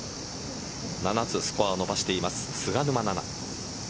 ７つスコアを伸ばしています菅沼菜々。